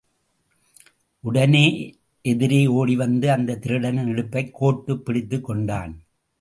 உடனே எதிரே ஓடி வந்து, அந்தத் திருடனின் இடுப்பைக் கோர்த்துப் பிடித்துக் கொண்டான்.